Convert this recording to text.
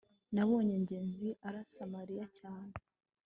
nabonye ngenzi arasa mariya cyane